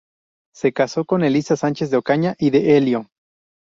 Se casó con Elisa Sánchez de Ocaña y de Elio.